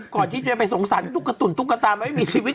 ก่อนที่จะไปสงสารตุ๊กตุ๋นตุ๊กตาไม่มีชีวิต